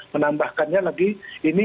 menambahkannya lagi ini